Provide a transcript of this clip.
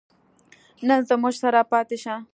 نن زموږ سره پاتې شه